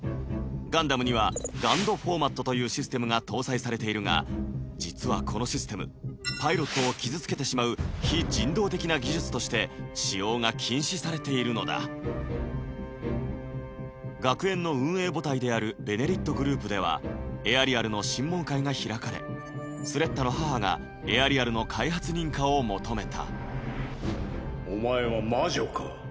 ガンダムにはＧＵＮＤフォーマットというシステムが搭載されているが実はこのシステムパイロットを傷つけてしまう非人道的な技術として使用が禁止されているのだ学園の運営母体である「ベネリット」グループではエアリアルの審問会が開かれスレッタの母がエアリアルの開発認可を求めたお前は魔女か？